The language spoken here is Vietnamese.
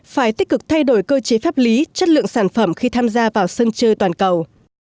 phải tích cực thay đổi cơ chế pháp lý chất lượng sản phẩm khi tham gia vào sân chơi toàn cầu